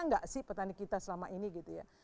nggak sih petani kita selama ini gitu ya